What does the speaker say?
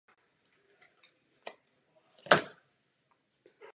Vítězná třída pod rampou vypadala jako krytá pasáž.